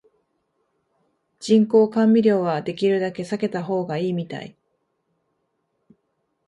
人工甘味料はできるだけ避けた方がいいみたい